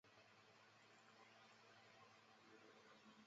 百年厅位于现波兰弗罗茨瓦夫。